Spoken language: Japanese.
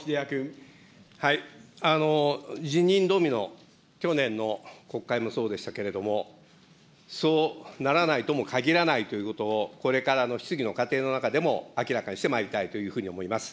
辞任ドミノ、去年の国会もそうでしたけれども、そうならないともかぎらないということを、これからの質疑の過程の中でも、明らかにしてまいりたいというふうに思います。